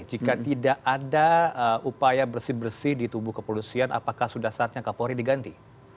jika tidak ada upaya bersih bersih di tubuh kepolisian apakah sudah saatnya kapolri diganti